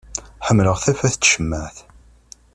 Ḥemmleɣ tafat n tcemmaεt.